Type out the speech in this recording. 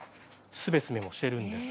すべすべもしています。